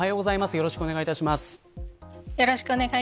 よろしくお願いします。